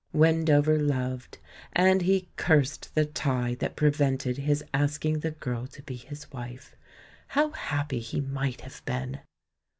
Wendo ver loved, and he cursed the tie that prevented his asking the girl to be his wife. How happy he might have been